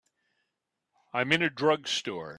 I'm in a drugstore.